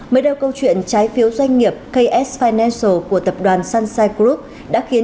mới đâu câu chuyện trái phiếu doanh nghiệp ks financial của tập đoàn sunshine group đã khiến